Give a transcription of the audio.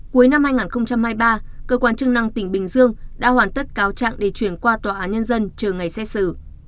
cuối năm hai nghìn hai mươi ba cơ quan chức năng tỉnh bình dương đã hoàn tất cáo trạng để chuyển qua tòa án nhân dân chờ ngày xét xử